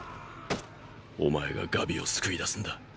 お前がガビを救い出すんだ。